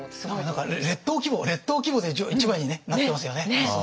何か列島規模列島規模で一枚にねなってますよね。